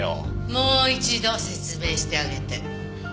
もう一度説明してあげて。